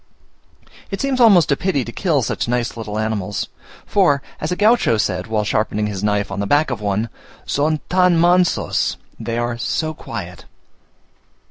It seems almost a pity to kill such nice little animals, for as a Gaucho said, while sharpening his knife on the back of one, "Son tan mansos" (they are so quiet).